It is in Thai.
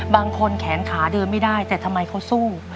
แขนขาเดินไม่ได้แต่ทำไมเขาสู้